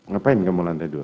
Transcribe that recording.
ngapain kamu lantai dua